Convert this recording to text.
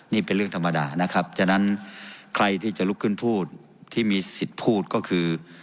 นี่เป็นเรื่องธรรมดานะครับฉะนั้นใครที่จะลุกขึ้นพูดที่มีสิทธิ์พูดก็คือ